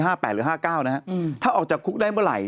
๕๘หรือ๕๙นะฮะถ้าออกจากคุกได้เมื่อไหร่